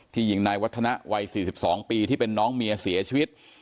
ยิงนายวัฒนะวัย๔๒ปีที่เป็นน้องเมียเสียชีวิต